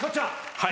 はい。